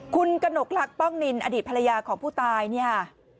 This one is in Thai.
คุณกระหนกลักษ้องนินอดีตภรรยาของผู้ตายเนี่ยค่ะ